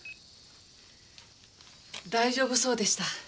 大丈夫そうでした。